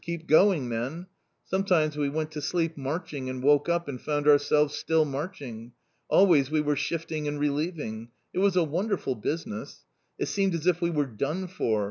keep going, men!' Sometimes we went to sleep marching and woke up and found ourselves still marching. Always we were shifting and relieving. It was a wonderful business. It seemed as if we were done for.